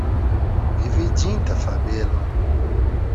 Viviĝinta fabelo.